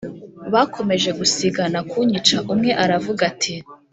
bakomeje gusigana kunyica umwe aravuga ati